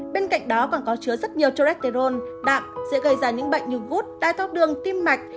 bên cạnh đó còn có chứa rất nhiều cholesterol đạm sẽ gây ra những bệnh như gút tai thóc đường tim mạch